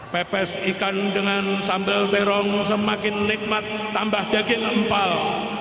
pepes ikan dengan sambal terong semakin nikmat tambah daging empal